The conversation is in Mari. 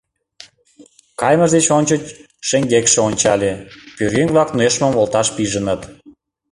Кайымыж деч ончыч шеҥгекше ончале: пӧръеҥ-влак нӧшмым волташ пижыныт.